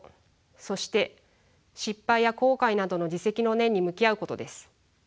そして失敗や後悔などの自責の念に向き合うことです。